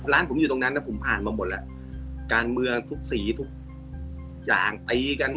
ร้านผมอยู่ตรงนั้นนะผมอ่านมาหมดแล้วการเมืองทุกสีทุกอย่างตีกัน